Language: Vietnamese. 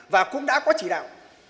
và cũng đã có chỉ đạo